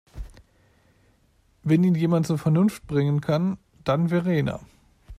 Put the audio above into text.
Wenn ihn jemand zur Vernunft bringen kann, dann Verena.